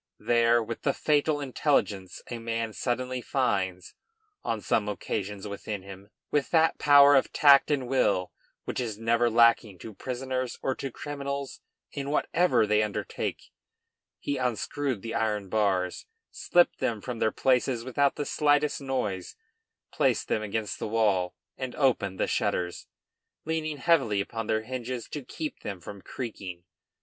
There, with that fatal intelligence a man suddenly finds on some occasions within him, with that power of tact and will which is never lacking to prisoners or to criminals in whatever they undertake, he unscrewed the iron bars, slipped them from their places without the slightest noise, placed them against the wall, and opened the shutters, leaning heavily upon their hinges to keep them from creaking.